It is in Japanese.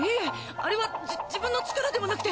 あれはじ自分の力ではなくて。